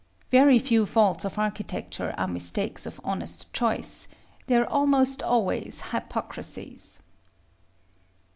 Very few faults of architecture are mistakes of honest choice: they are almost always hypocrisies.